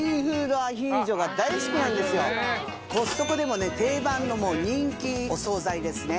コストコでも定番の人気お総菜ですね。